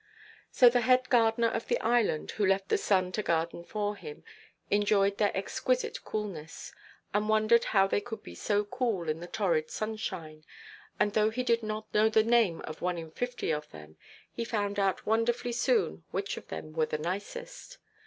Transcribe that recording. So the head gardener of the island, who left the sun to garden for him, enjoyed their exquisite coolness, and wondered how they could be so cool in the torrid sunshine; and though he did not know the name of one in fifty of them, he found out wonderfully soon which of them were the nicest.